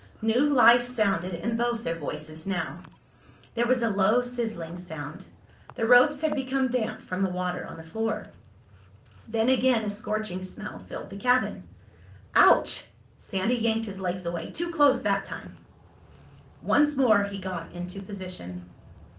New life sounded in both their voices now. There was a low sizzling sound. The ropes had become damp from the water on the floor. Then again a scorching smell filled the cabin. "Ouch!" Sandy yanked his legs away. "Too close that time." Once more he got into position.